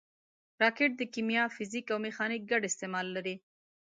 راکټ د کیمیا، فزیک او میخانیک ګډ استعمال لري